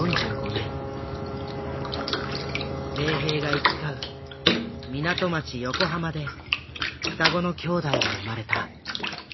米兵が行き交う港町横浜で双子の兄弟は生まれた。